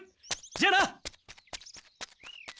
じゃあな！